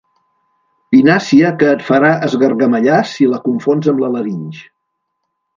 Pinàcia que et farà esgargamellar si la confons amb la larinx.